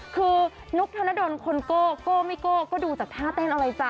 คือนุ๊กธนดลคนโก้โก้มิโก้ก็ดูจากท่าเต้นอะไรจ้